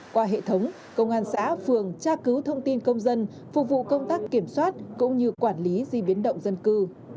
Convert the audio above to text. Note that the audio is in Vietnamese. qua hệ thống công an xã phường tra cứu thông tin công dân phục vụ công tác kiểm soát cũng như quản lý di biến động dân cư